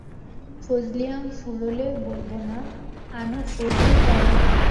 ফজলি আম ফুরোলে বলব না, আনো ফজলিতর আম।